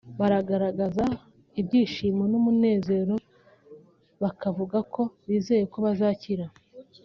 baragaragaza ibyishimo n’umunezero bakavuga ko bizeye ko bazakira